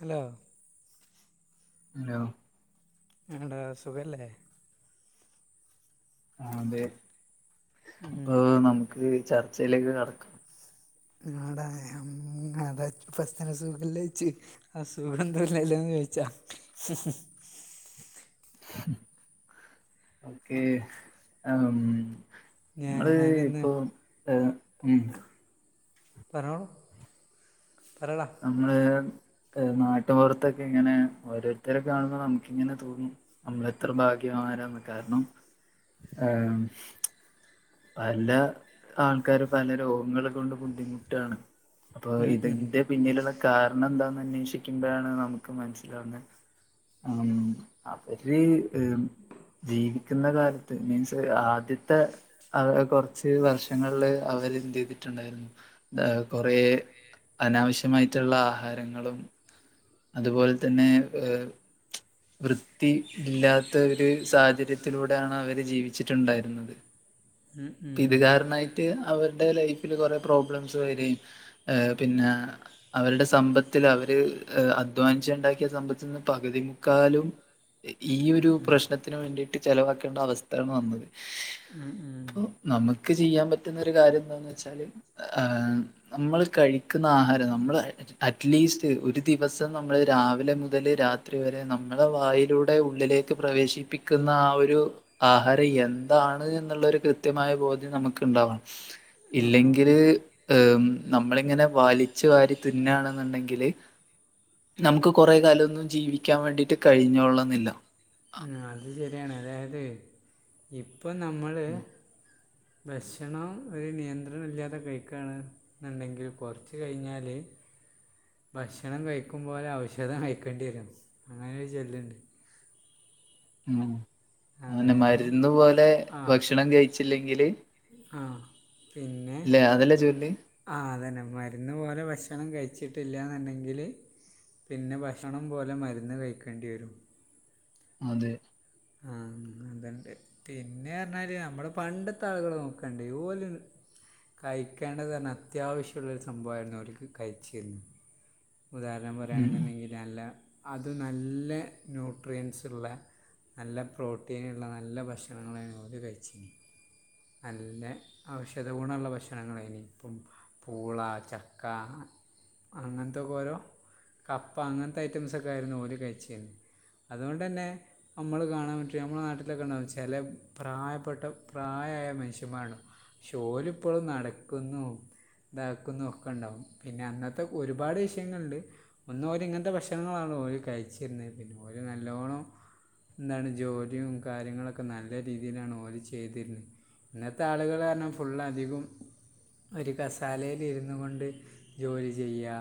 Hello hello എങ്ങനെടാ സുഖല്ലേ? ആഹ് അതേ അപ്പോ ഉം നമ്മക്ക് ചർച്ചേലേക്ക് കടക്കാം ആടാ ഏഹ് അം അതാ ഫസ്റ്റന്നെ സുഖല്ലേ ചോയ്ച്ച് ആഹ് സുഖം തന്നല്ലേന്ന് ചോയിച്ചാ ഓക്കേ ആം ഇമ്മള് ഞാനൊന്ന് ഇപ്പോ ഏഹ് ഉം പറഞ്ഞോളൂ പറയെടാ നമ്മള് ഏഹ് നാട്ടുംപൊറത്തൊക്കെ ഇങ്ങനേ ഓരോരുത്തരെ കാണുമ്പ നമ്മക്കിങ്ങനെ തോന്നും നമ്മളെത്ര ഭാഗ്യവാന്മാരാന്ന് കാരണം ഏഹ് ഉം പല ആൾക്കാരും പല രോഗങ്ങള് കൊണ്ട് ബുദ്ധിമുട്ടാണ് അപ്പോ ഇതിന്റെ പിന്നിലുള്ള കാരണം എന്താന്നന്വേഷിക്കുമ്പഴാണ് നമുക്ക് മനസ്സിലാവുന്നെ അം അവര് ഏഹ് ഉം ജീവിക്കുന്ന കാലത്ത് മീൻസ് ആദ്യത്തെ അവര് കൊറച്ച് വർഷങ്ങളില് അവരെന്തെയ്തിട്ടുണ്ടായിരുന്നു ദ കൊറേ അനാവശ്യമായിട്ടുള്ള ആഹാരങ്ങളും അതുപോലെ തന്നേ ഏഹ് വൃത്തി ഇല്ല്യാത്ത ഒരു സാഹചര്യത്തിലൂടെയാണ് അവര് ജീവിച്ചിട്ടുണ്ടായിരുന്നത് ഉം ഉം പിത് കാരണായിട്ട് അവരുടെ ലൈഫില് കൊറേ പ്രോബ്ലംസ് വരേം ഏഹ് പിന്നേ അവരുടെ സമ്പത്തില് അവര് ഏഹ് അധ്വാനിച്ച്ണ്ടാക്കിയ സമ്പത്ത്ന്ന് പകുതി മുക്കാലും ഈയൊരു ഉം ഉം പ്രശ്നത്തിന് വേണ്ടീട്ട് ചെലവാക്കേണ്ട അവസ്ഥേണ് വന്നത് ഉം ഉം ഓ നമക്ക് ചെയ്യാൻ പറ്റുന്നൊരു കാര്യെന്താന്ന് വെച്ചാല് ആഹ് നമ്മള് കഴിക്കുന്ന ആഹാരം നമ്മളേ അറ്റ്ലീസ്റ്റ് ഒരു ദിവസം നമ്മള് രാവിലെ മുതല് രാത്രി വരെ നമ്മള വായിലൂടെ ഉള്ളിലേ ക്ക് പ്രവേശിപ്പിക്കുന്ന ആഹ് ഒരു ആഹാരം എന്താണ് എന്നുള്ളൊരു കൃത്യമായ ബോധ്യം നമുക്ക്ണ്ടാവണം ഉം ഉം ഇല്ലെങ്കില് ഏഹ് ഉം നമ്മളിങ്ങനെ വലിച്ചു വാരി തിന്ന് ആണ്ന്ന്ണ്ടെങ്കില് നമുക്ക് കൊറേ കാലൊന്നും ജീവിക്കാൻ വേണ്ടീട്ട് കഴിഞ്ഞോളണംന്നില്ല ഉം അത് ശരിയാണ് അതായത് ഇപ്പൊ നമ്മള് ഭക്ഷണം ഒരു നിയന്ത്രണുല്ല്യാതെ കഴിക്ക്ആണ് ന്നുണ്ടെങ്കിൽ കുറച്ച് കഴിഞ്ഞാല് ഭക്ഷണം കഴിക്കും പോലെ ഔഷധം കഴിക്കേണ്ടി വരും അങ്ങനെരു ചൊല്ലുണ്ട് ഉം അങ്ങനെ അതായത് മരുന്ന് പോലെ ഭക്ഷണം കഴിച്ചില്ലെങ്കില് ആഹ് പിന്നെ ഇല്ലേ അതല്ലേ ചൊല്ല് ആഹ് അത് തന്നെ മരുന്ന് പോലെ ഭക്ഷണം കഴിച്ചിട്ടില്ലാന്നുണ്ടെങ്കില് പിന്നെ ഭക്ഷണം പോലെ മരുന്ന് കഴിക്കേണ്ടി വരും അതെ ആഹ് നന്തണ്ട് പിന്നെ പറഞ്ഞാല് നമ്മുടെ പണ്ടത്തെ ആളുകൾ നോക്കാണ്ട് ഓല് കഴിക്കേണ്ടത് തന്നെ അത്യാവശ്യമുള്ളൊരു സംഭവമായിരുന്നു അവർക്ക് കഴിച്ചിരുന്നത് ഉദാഹരണം ഉം പറയയാണെന്നുണ്ടെങ്കിൽ നല്ല അത് നല്ല ന്യൂട്രിയൻസുള്ള നല്ല പ്രോട്ടീനുള്ള നല്ല ഭക്ഷണങ്ങളാണ് ഓര് കഴിച്ചന് നല്ല ഔഷധ ഗുണമുള്ള ഭക്ഷണങ്ങളായിനി ഇപ്പം പൂള ചക്ക അങ്ങനത്തൊക്കെ ഓരോ കപ്പ അങ്ങനത്തെ ഐറ്റംസൊക്കെ ആയിരുന്നു ഓല് കഴിച്ചതന് അതുകൊണ്ടു തന്നെ നമ്മൾ കാണാൻ പറ്റിയ നമ്മളുടെ നാട്ടിലൊക്കെ ഉണ്ടാവും ചില പ്രായപ്പെട്ട പ്രായമായ മനുഷ്യന്മാര് ഉണ്ടാവും ശോഓല് ഇപ്പളും നടക്കുന്നു നടക്കുന്നു ഒക്കെ ഉണ്ടാവും പിന്നെ അന്നത്തെ ഒരുപാട് വിഷയങ്ങളുണ്ട് ഒന്ന ഓരി ഇങ്ങനത്തെ ഭക്ഷണങ്ങളാണ് ഓര് കഴിച്ചിരുന്നത് പിന്നെ ഓര് നല്ലോണം എന്താണ് ജോലിയും കാര്യങ്ങളൊക്കെ നല്ല രീതിയിലാണ് ഓര് ചെയ്തിരുന്നത് ഇന്നത്തെ ആളുകൾ കാരാണം ഫുള് അധികം ഒരു കസാലയിലിരുന്നു കൊണ്ട് ജോലി ചെയ്യ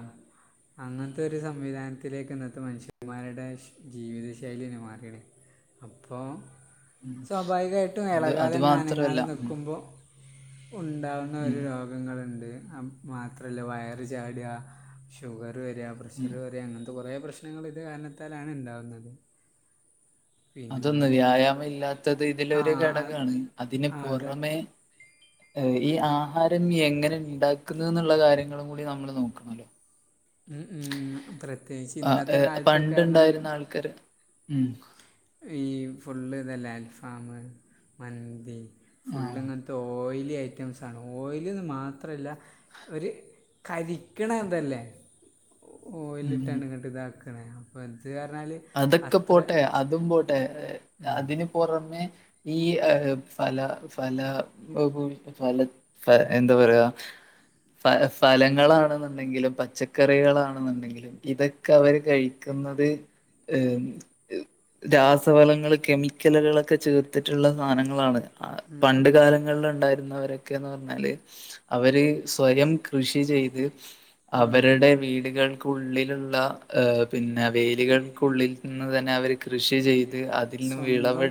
അങ്ങനത്തെ ഒരു സംവിധാനത്തിലേക്ക് ഇന്നത്തെ മനുഷ്യന്മാരുടെ ജീവിത ശൈലി മാറിയാണ് അപ്പോൾ ഉം സ്വാഭാവികമായിട്ടും അത് അത് ഇളകതെങ്ങ മാത്രല്ല അനങ്ങാതെ ഉം നിൽക്കുമ്പോൾ ഉണ്ടാവുന്ന ഉം ഒരു രോഗം പ്രശ്നങ്ങള്ണ്ട് മാത്രല്ല വയർ ചാടുക ഷുഗർ വരിക പ്രഷർ ഉം വര അങ്ങനത്തെ കൊറേ പ്രശ്നങ്ങൾ ഇത് കാരണത്താലാണ് ഉണ്ടാവുന്നത് അതൊന്ന് വ്യായാമം ഇല്ലാത്തത് ആ ഇതിലൊരു ആ ഘടകമാണ് അതിന് ആ അതെ പുറമേ ഈ ആഹാരം എങ്ങനെ ഉണ്ടാക്കുന്ന എന്നുള്ള കാര്യങ്ങളും കൂടി നമ്മൾ നോക്കണല്ലോ ഉം ഉം അത്രെ ആഹ് ഏഹ് പണ്ട് ഇണ്ടായിരുന്ന ആൾക്കാര് ഉം ഈ ഫുള്ള് ഇതല്ലേ അൽഫാമ് മന്തി ആ ഫുള്ളിങ്ങാനെ ഓയിലി ഐറ്റംസാണ് ഓയിലിന്ന് മാത്രഅല്ല ഒര് കരിക്കണ അതല്ലേ ഉം ഉം ഓയിലിട്ടാണ് ഇങ്ങോട്ട് ഇതാക്കണേ അപ്പോം ഇത് പറഞ്ഞാൽ അതൊക്കെ അത്ര പോട്ടെ അതും പോട്ടെ ഉം, അതിന് പുറമേ ഈ ആ ഫല ഫല [unintelligible] ഫല ഫാ എന്താ പറക ഫ ഫലങ്ങളാണെന്നുണ്ടെങ്കിലും പച്ചക്കറികളാണെന്നുണ്ടെങ്കിലും ഇതൊക്കെ ഉം, അവര് കഴിക്കുന്നത് ഏഹ് രാസവളങ്ങൾ കെമിക്കലുകളൊക്കെ ചേർത്തിട്ടുള്ള സാനങ്ങളാണ് പണ്ട് കാലങ്ങൾ ഉണ്ടായിരുന്നവര് ഒക്കെന്ന് പറഞ്ഞാല് അവര് സ്വയം കൃഷി ചെയ്ത് ഉം, അവരുടെ വീടുകൾക്കുള്ളിലുള്ള ഏഹ് പിന്നെ വേലികൾ ക്കുള്ളിൽ നിന്ന് തന്നെ അവര് കൃഷി ചെയ് ത് അതിൽന്ന് സ്വന്തം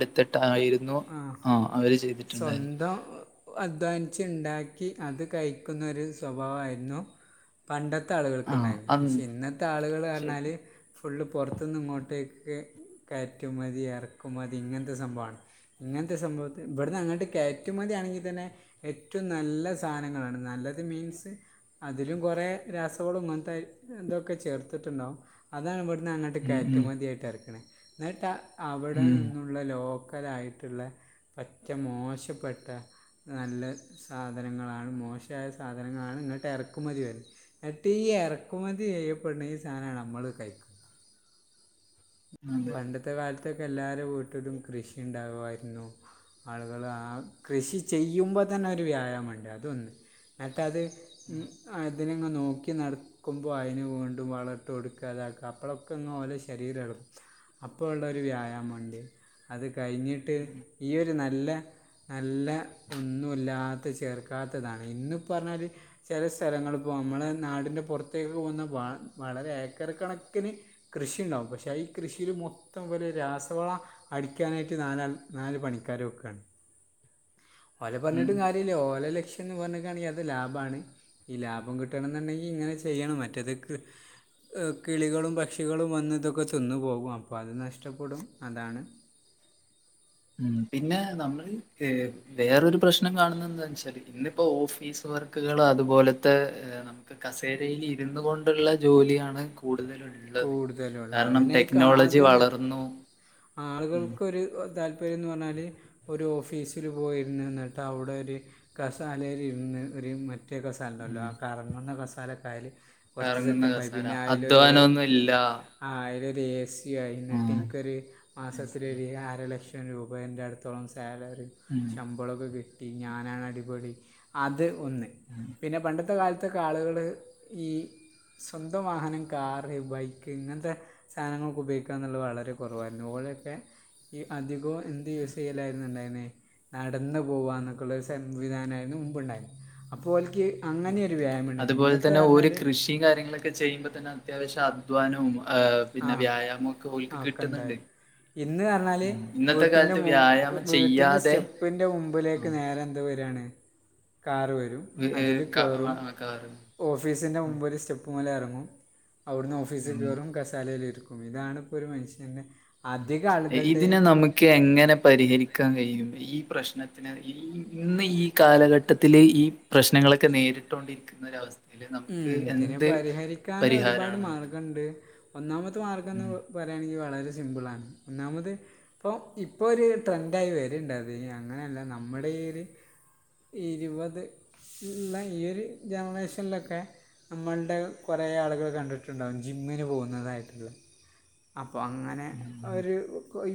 ആ ആ. ആഹ് അവര് ചെയ്തിട്ടുണ്ടായിരുന്നു അധ്വാനിച്ച് ഉണ്ടാക്കി അത് കഴിക്കുന്നൊരു സ്വഭാവയിരുന്നു പണ്ടത്തെ ആഹ് ആളുകൾക്കുണ്ടായിരുന്നു അന്ന് പക്ഷെ ഇന്നത്തെ ആളുകൾ ശരി പറഞ്ഞാല് ഫുള്ള് പുറത്തുനിന്ന് ഇങ്ങോട്ടേക്ക് കയറ്റു മതി എറക്കു മതി ഇങ്ങനത്തെ സംഭണ് ഇങ്ങനത്തെ സംഭവത്ത് ഇവിടുന്ന് അങ്ങോട്ട് കയറ്റുമതിയാണെങ്കിൽ തന്നെ ഏറ്റോം നല്ല സാനങ്ങളാണ് നല്ലത് മീൻസ് അതിലും കൊറെ രാസവളും അങ്ങൻത്തെ ഇതൊക്കെ ചേർത്തിട്ട് ഉണ്ടാവും. അതാണ് ഇവ്ട്ന്നങ്ങട്ട് ഉം ഉം കയറ്റുമതിയായിട്ടെറ്ക്ക്ണെ എന്നട്ട് അവടെ ഉം നിന്നും ഉള്ള ലോക്കലായിട്ട്ള്ള പറ്റ മോശപ്പെട്ട നല്ല സാധനങ്ങളാണ് മോശായ സാധനങ്ങളാണ് ഇങ്ങട്ട് എറക്കുമതി വര്നെ. എട്ടീ എറക്കുമതി ചെയ്യപ്പെട്ണ ഈ സാനാണ് നമ്മള് കഴിക്ക്ണെ. അതെ പണ്ടത്തെ കാലത്തൊക്കെ എല്ലാരെ വീട്ട്ലും കൃഷി ഇണ്ടാകു ആയിരുന്നു. ആളുകള് ആഹ് കൃഷി ചെയ്യുമ്പൊതന്നെ ഒരു വ്യായാമണ്ട് അതൊന്ന് എന്നട്ടത് ഉം അതിനിങ്ങനെ നോക്കി നട ക്കുമ്പൊ അയ്ന് വീണ്ടും വള ഇട്ട് കൊട്ക്കാതാക അപ്പളൊക്കെന്ന് ഓലെ ശരീരെളകും അപ്പള്ളൊര് വ്യായാമണ്ട് അത് കയ്ഞ്ഞ്ട്ട് ഈ ഒരു നല്ല നല്ല ഒന്നുല്ലാത്ത ചേർക്കാത്തതാണ് ഇന്ന് പർഞ്ഞാല് ചേലെ സ്ഥലങ്ങള്പ്പോ അമ്മളെ നാടിന്റെ പൊറത്തേക്ക് പോകുന്ന വ വളരെ ഏക്കർ കണക്കിന് കൃഷിണ്ടാവും പക്ഷെ ഈ കൃഷില് മൊ ത്തം വര് രാസവളം അടിക്കാനായിട്ട് നാലാ നാല് പണിക്കാരെ വെക്കാണ്. ഓലെ ഉം പർഞ്ഞ്ട്ടും കാര്യഇല്ല ഓലെ ലക്ഷ ന്ന് പർഞ്ഞ്ക്കാണെങ്കി അത് ലാഭാണ് ഈ ലാഭം കിട്ടണന്ന്ണ്ടെങ്കി ഇങ്ങനെ ചെയ്യണം മറ്റത് ഏഹ് കിളികളും, പക്ഷികളും വന്ന് ഇതൊക്കെ തിന്ന് പോവ അപ്പത് നഷ്ടപ്പെടും അതാണ്. ഉം പിന്നെ നമ്മള് ഏഹ് വേറൊരു പ്രശ്നം കാണുന്നത് എന്താ വെച്ചാല്. ഇന്നിപ്പോ ഓഫീസ് വർക്ക്കള് അതുപോലത്തെ നമുക്ക് കസേരയിൽ ഇരുന്നു കൊണ്ടുള്ള ജോലിയാണ് കൂടുതലു ഉള്ളത് കൂടുതലുള്ള കാരണം അതിനെ ടെക്നോളജി അതിന് വളർന്നു. ഉം ആളുകൾക്കൊരു താല്പ പര്യന്ന് പറഞ്ഞാല് ഒര് ഓഫീസിൽ പോയിര്ന്ന് എന്നിട്ടവിടൊര് കസാലയിലിര്ന്ന് ഒരു മറ്റേ കസാലണ്ടല്ലോ ഉം ആ കറങ്ങുന്ന കസാലക്കയായാല് - കൊറച്ച് കറങ്ങുന്ന സെറ്റപ്പായി കസേര പിന്നെ അയില് അധ്വാനൊന്നും [unintelligible] ഇല്ല ആഹ് അയ്ലൊരു എ സി ആയി ഉം എന്നിട്ട് എനിക്കൊരു മാസത്തിലൊര്- അരലക്ഷം രൂപേൻ്റെടുത്തോളം സാലറി ഉം ശമ്പളൊക്കെ കി ഞാനാണ് അടിപൊളി അത് ഒന്ന് ഉം പിന്നെ പണ്ടത്തെ കാലത്ത്- ത്തെ ആളുകള് ഈ- സ്വന്തം വാഹനം കാറ് ബൈക്ക് ഇങ്ങനത്തെ സാനങ്ങളൊക്കെ ഉപയോഗിക്കുകന്നുള്ളത് വളരെ കൊറവായി ഓലൊക്കെ ഈ അധികവും എന്ത് യൂസെയ്യലായിരുന്നുണ്ടായിന്നെ. നടന്നു പോകുകന്നൊക്കെയുള്ള ഒരു സംവിധാനമായിരുന്നു മുമ്പുണ്ടായിരുന്നെ അപ്പോ ഓൽക്കീ- ഉം. അങ്ങനെ ഒര് വ്യായാമണ്ടായിനി. അതുപോലെ ഇന്നത്തെ തന്നെ പറഞ്ഞാല്- [unintelligible] കാര്യങ്ങളൊക്കെ ചെയുമ്പോതന്നെ അത്യാവിശ്യം അധ്വാനവും ആ ആ പിന്നെ വ്യായാമൊക്കെ ഓൽക്ക് ആ ഒക്കെ ഉണ്ടായി കിട്ടുന്നുണ്ട് ഇന്ന് പറഞ്ഞാല് ഉം. ഇന്നത്തെ വീട്ടിന്റെ കാലത്ത് മു വ്യായാമം വീട്ടിന്റെ ചെയ്യാതെ സ്റ്റെപ്പിന്റെ മുമ്പില് - ആ, ക്ക് നേരെ എന്ത് വരുവാണ് കാർ വരും. [unintelligible] ഓഫീസിന്റെ ഉം, മുമ്പ് ഒരു സ്റ്റെപ്പ് മേലെ എറങ്ങും അവിടുന്ന് ഓഫീസ് വന്നു. കേറും- തലേല് ഇരിക്കും ഇതാണിപ്പോ ഒരു മനുഷ്യന്റെ- ഇതിനെ നമുക്ക് എങ്ങനെ പരിഹരിക്കാൻ കഴിയും ഈ പ്രശ്നത്തിന്- ഇന്ന് ഈ കാലഘട്ടത്തില് ഈ പ്രശ്നങ്ങളൊക്കെ നേരിട്ടോണ്ടിരിക്കുന്ന ഒരവസ്ഥയില് നമുക്ക്- ഉം ഇതിന് എന്ത് പരിഹരിക്കാനും ഒരുപാട് പരിഹാരാണ് മാർഗവുണ്ട് ഒന്നാമത്തെ മാർഗം ഉം - പറയാണെങ്കി വളരെ സിമ്പിളാണ് ഒന്നാമത്- ഇപ്പം ഇപ്പൊ ഒര് ട്രെൻഡായി വരിയുണ്ടായി അങ്ങനെല്ല നമ്മടെ ഈ ഒരു- ഇരുപത് ഈ ഒരു ജനറേഷനിലൊക്കെ- ഒക്കെ നമ്മള്ടെ കൊറേ ആളുകള് കണ്ടിട്ടുണ്ടാവും ജിമ്മിന് പോകുന്നതായിട്ടുള്ള അപ്പൊ അങ്ങനെ ഒരു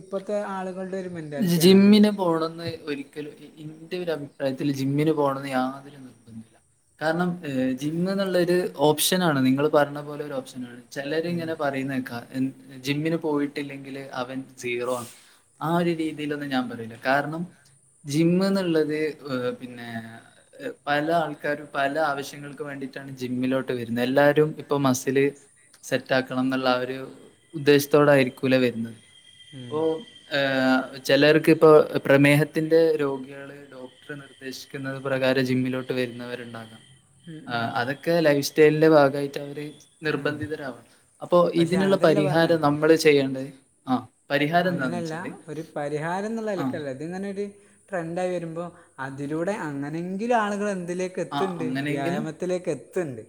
ഇപ്പത്തെ ആളുകളുടെ ഒരു- മെൻറ്റാലിറ്റിയാണത് ജിമ്മിന് പോണന്ന് ഒരി ഇന്റെ ഒരു അഭിപ്രായത്തില് ജിമ്മിന് പോണന്ന് യാതൊരു നിർബ കാരണം ജിം എന്നുള്ളത് ഓപ്ഷനാണ് നിങ്ങള് പറഞ്ഞ പോലെ ഒരു ഓപ്ഷനാണ്. ഉം ചെലരിങ്ങനെ പറയുന്ന കേൾക്കാം ജിമ്മിന് പോയിട്ടില്ലെങ്കിൽ അവൻ സീറോ ആണ് ആ ഒരു- രീതിലൊന്നും ഞാൻ പറയില്ല കാരണം ജിമ്മ് എന്നുള്ളത് പിന്നെ- പല ആൾക്കാരും പല ആവശ്യങ്ങൾ- വേണ്ടിട്ടാണ് ജിമ്മിലോട്ട് വരുന്നത് എല്ലാരും ഇപ്പം മസില്- സെറ്റാക്കണം എന്നുള്ള ആ ഒരു ഉദ്ദേശത്തോടയിരിക്കൂല വരുന്നത്. ഉം ഇപ്പോ ചെലർക്ക് ഇപ്പോ പ്രമേഹത്തിന്റെ രോഗികള് ഡോ ഡോക്ടർ നിർദ്ദേശിക്കുന്നത് പ്രകാരം ജിമ്മിലോട്ട് വരുന്നവരുണ്ടാകാം. ഉം ആ ഉം അതൊക്കെ ലൈഫ് സ്റ്റൈലിന്റെ ഭാഗായിട്ട് അവര്- ഉം നിർബന്ധിതരാവാണ് അപ്പോ പക്ഷേ ഇതിനുള്ള അതല്ല പരിഹാരം പറഞ്ഞത് നമ്മള് ചെയ്യേണ്ടത്- ആഹ് പരിഹാരം എന്താന്ന് അങ്ങനെയല്ല വെച്ചാല് ഒരു പരിഹാരം എന്നുള്ള ആഹ് നിലക്കല്ലേ അതിന്നെന്നെ ഒരു ട്രെൻഡ് ആയി വരുമ്പോ അതിലൂടെ അങ്ങനെങ്കിലും ആളുകള് എന്തിലേക്ക്- ആഹ് എത്തണ്ട് അങ്ങനെയെങ്കിലും വ്യായാമത്തിലേക്ക് എത്തണ്ട്.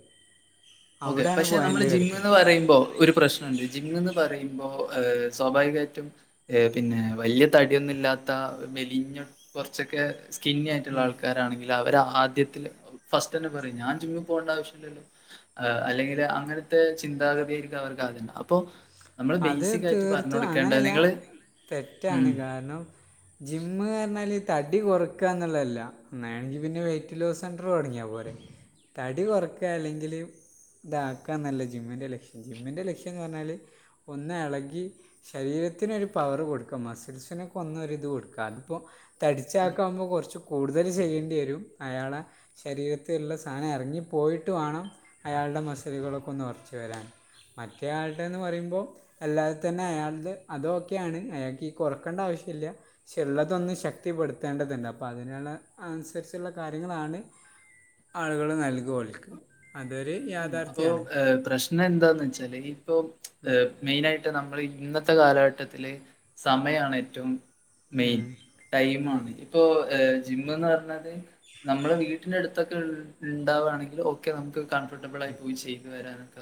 ഓക്കെ പക്ഷേ നമ്മള് ജിമ്മ് എന്ന് പറയുമ്പോ ഒരു പ്രശ്നം- ണണ്ട് ജിമ്മ് പറയുമ്പോ ആഹ് സ്വാഭാവികമായിട്ടും- ഏ പിന്നെ വലിയ തടിയൊന്നുല്ലാത്ത മെലിഞ്ഞ കൊറച്ചൊക്കെ- കിന്നി ആയിട്ടുള്ള ഉം. ആൾക്കാരാണെങ്കിൽ അവരാദ്യത്തില് ഫസ്റ്റന്നെ പറയും ഞാൻ ജിമ്മി പോണ്ടാവിശ്യല്ലല്ലോ. ആ അല്ലെങ്കില് അങ്ങനത്തെ ചിന്താഗതിയായിരിക്കും അവർക്ക് ആദ്യണ്ടാവാ അപ്പോ അത് തീർത്തും അങ്ങനെല്ല നിങ്ങള് ഉം. തെറ്റാണ് കാരണം ജിമ്മ് പർഞ്ഞാല് തടി കൊറക്കാ എന്നുള്ളല്ല അങ്ങനാണെങ്കി പിന്നെ വെയ്റ്റ് ലോസ് സെന്റർ തുടങ്ങിയാ പോരെ. തടികൊറക്കാ അല്ലെങ്കില് ഇതാക്കാന്നല്ല ജിമ്മിൻ്റെ ലക്ഷ്യം. ജിമ്മിൻ്റെ ലക്ഷ്യംന്ന് പർഞ്ഞാൽ ഒന്നെളകി ശരീരത്തിന് ഒരു പവർ കൊടുക്കുക, മസിൽസിനൊക്കെ ഒന്നൊരിത് കൊടുക്കാ. അതിപ്പോ തടിച്ചാക്കാവുമ്പൊ കൊർച്ച് കൂടുതല് ചെയ്യണ്ടി വരും, അയാളെ ശരീരത്തിള്ള സാനം എർങ്ങി പോയിട്ട് വാണം, അയാളുടെ മസിലുകളൊക്കെ ഒന്ന് ഒർച്ച് വരാൻ മറ്റേ ആൾടെന്ന് പറയുമ്പോ അല്ലാതെ തന്നെ അയാൾത് അത് ഓക്കെയാണ് അയാൾക്കീ കൊറക്കണ്ടാവിശ്യല്ല്യ. പക്ഷേ ഇള്ളതൊന്ന് ശക്തിപ്പെടുത്തേണ്ടതുണ്ട് അപ്പതിനുള്ള അൻസര്ച്ചുള്ള കാര്യങ്ങളാണ് ആളുകള് നൽക ഓൽക്ക്. അതൊര് ഉം അപ്പോ ഏഹ് പ്രശ് നന്താന്ന് വെച്ചാല് ഇപ്പോ മെയ്നായിട്ട് നമ്മള് ഇന്നത്തെ കാലഘട്ടത്തില് സമയാണ് ഏറ്റവും മൈൻ ഉം. ഉം. ടൈമാണ് ഇപ്പോ ജിമ്മ്ന്ന് പർഞ്ഞാൽ നമ്മളെ വീട്ടിനടു- ത്തൊക്കെ ഇണ്ടാവാണെങ്കില് ഓക്കെ നമുക്ക് കംഫർട്ടബിളായി പോയി ചെയ്ത് വരാനൊക്കെ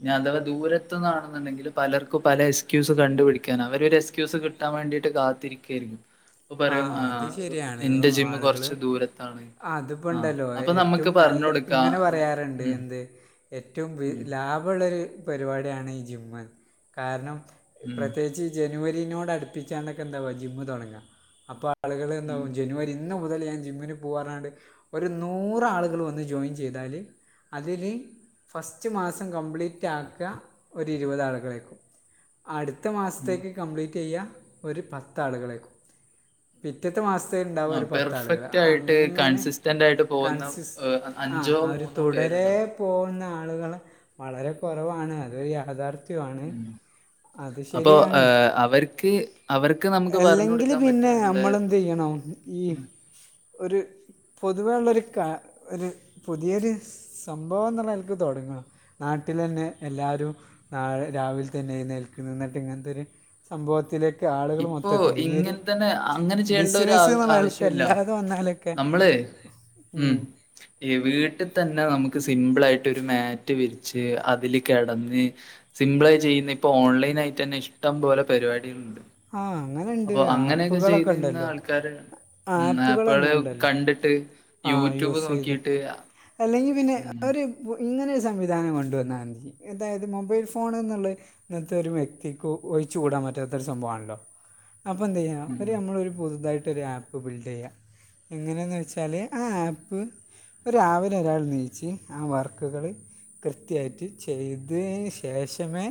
ഇഞ്ഞ് അഥവാ ദൂരത്തുന്നാണെന്നുണ്ടെങ്കിൽ പലർക്കും പല എസ്ക്യൂസ് കണ്ടുപിടിക്കാൻ അവരൊരു എസ്ക്യൂസ് കി കിട്ടാൻ വേണ്ടിട്ട് കാത്തിരിക്കായിരിക്കും. അപ്പോ പറയും അത് ആഹ് ശരിയാണ് എന്റെ ജിമ്മ് ആളുകള് കൊർച്ച് ദൂരത്താണ്. അതിപ്പോ ആ ഉണ്ടല്ലോ അപ്പോ നമുക്ക് ഏറ്റവും പറഞ്ഞ് നല്ല കൊടു ഇങ്ങനെ പറയാറ്ണ്ട് എന്ത് ഏറ്റവും ഉം. ലാഭള്ളൊരു പരിപാടിയാണ് ഈ ജിമ്മ് കാരണം ഉം പ്രത്യേകിച്ച് ഈ ജനുവരിനോട് അടുപ്പിച്ചാണ്ടക്കെ എന്താവാ ജിമ്മ് തൊടങ്ങുക, ഉം അപ്പാളുകളെന്താവും ജനുവരി ഇന്ന് മുതൽ ഞാൻ ജിമ്മിന് പോവാർഞ്ഞാണ്ട് ഒരു നൂറാളുകള് വന്ന് ജോയിൻ ചെയ്താല് അതില് ഫസ്റ്റ് മാസം കംപ്ലീറ്റ് ആക്കുക ഒരു ഇരുപത് ആളുകളേക്കും. അടുത്ത ഉം മാസത്തേക്ക് കംപ്ലീറ്റെയ്യ ഒരു പത്താളുകളേക്കും. പിറ്റത്തെ മാസ്ത്തേക്ക്ണ്ടാവ ആ ഒരു പത്താള്കള് പെർഫെക്റ്റ് ആയിട്ട് അങ്ങനെ കൺസിസ്റ്റന്റ് ആയിട്ട് പോകുന്ന കൺസിസ് ഏഹ്, ആഹ് അഞ്ചോ ആ ഒരു മൂന്നോ തുടരെ പേരുണ്ടാവും പോകുന്ന ആളുകള് വളരെ കൊറവാണ്, അതൊരു യാഥാർ ഥ്യം ആണ്. ഉം അത് അപ്പൊ ശരിയാണ് അവർക്ക് അവർക്ക് നമുക്ക് പറഞ്ഞു എല്ലെങ്കില് കൊടുക്കാൻ പിന്നെ പറ്റും എന്താ മ്മളെന്തെയ്യണം ഈ ഉം. ഒരു പൊതുവേള്ളൊരു കാ ഒരു പുതിയൊര് സംഭവംന്ന്ള്ള നെൽക്ക് തൊട്ങ്ങാ നാട്ടിലെന്നെ എല്ലാരും നാളെ രാവിൽതന്നെ എഴുന്നേൽക്ക്ന്ന്, ന്നട്ട്ങ്ങൻത്തൊര് സംഭവത്തിലേക്ക് ആളുകൾ ഇപ്പോ മൊത്തത്തിൽ ഈയൊര് ഇങ്ങനെ തന്നെ അങ്ങനെ ചെയ്യേണ്ട ഒരു ആവ- ബിസിനസ്ന്ന്ള്ള ആവശ്യമില്ല നെൽക്കല്ലാതെ വന്നാലൊക്കെ നമ്മള് ഉം ഈ വീട്ടി തന്നെ നമുക്ക് സിമ്പിളായിട്ടൊരു മാറ്റ് വിരിച്ച് അതില് കെടന്ന് സിമ്പിളായി ചെയ്യുന്ന ഇപ്പൊ ഓൺലൈനായിട്ടന്നെ ഇഷ്ടം പോലെ പരിപാടികളുണ്ട് ആഹ് അങ്ങനണ്ട് അപ്പൊ അങ്ങനെയൊക്കെ ചെയ്തിരുന്ന ആപ്പുകളൊക്കെണ്ടല്ലോ ആൾക്കാര് ഉം ആപ്പള് ആപ്പുകളെന്നെണ്ടല്ലോ കണ്ടിട്ട് ആഹ് യൂട്യൂബ് യൂസെയ്ത് നോക്കിട്ട് അല്ലെങ്കി പിന്നെ ഉം ഒരു ഇപ്പോ ഇങ്ങനെ ഒരു സംവിധാനം കൊണ്ടുവന്നാതി അതായത് മൊബൈൽ ഫോണ്ന്ന്ള്ള ഇന്നത്തെ ഒരു വ്യക്തിക്കും ഒഴിച്ച് കൂടാൻപറ്റാത്ത സംഭവമാണല്ലോ അപ്പോ ന്ത്യ്യ ഉം ഒരു അമ്മള് ഒരു പുതുതായിട്ട് ഒരു ആപ്പ് ബിൽഡ് ചെയ്യുക എങ്ങനെന്ന് വെച്ചാല് ആ ആപ്പ് രാവിലെ ഒരാള് നീച്ച് ആ വർക്കുകള് കൃത്യായിട്ട് ചെയ്ത് നേ ശേഷമേ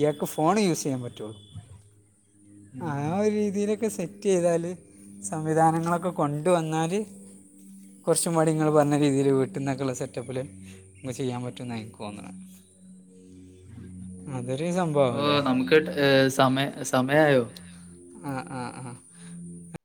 ഇയാക്ക് ഫോണ് യൂസ് ചെയ്യാൻ പറ്റുള്ളൂ ആ ഉം ഒരു രീതിയിലൊക്കെ സെറ്റ് റ്റ് ചെയ്താല് സംവിധാനങ്ങളൊക്കെ കൊണ്ടുവന്നാല് കോറച്ചു മടിങ്ങള് പറഞ്ഞ രീതിയില് വീട്ടുന്നൊക്കെള്ള സെറ്റപ്പില് ഇ ചെയ്യാൻ പറ്റും ന്ന ഇൻനക്കോന്ന്ണേ ഓ സംഭവമല്ലേ നമുക്ക് ട ഏ സമയ സമയായോ ആഹ് ആഹ് ആ